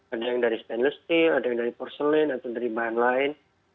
ada yang dari stainless steel ada yang dari porselin atau dari bahan lain